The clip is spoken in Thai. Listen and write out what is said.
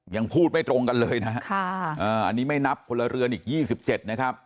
ยังพูดไม่ตรงกันเลยนะฮะอันนี้ไม่นับพลเรือนอีก๒๗นะครับ